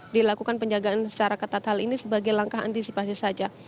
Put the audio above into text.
dilakukan penjagaan secara ketat hal ini sebagai langkah antisipasi saja